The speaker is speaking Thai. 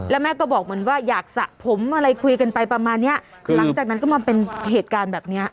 แล้วแม่ก็บอกเหมือนว่าอยากสระผมอะไรคุยกันไปประมาณเนี้ยหลังจากนั้นก็มาเป็นเหตุการณ์แบบเนี้ย